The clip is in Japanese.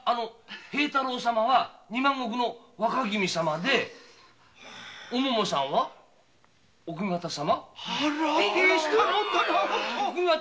平太郎様は二万石の若君様でお桃さんは奥方様？